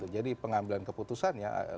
jadi pengambilan keputusannya lebih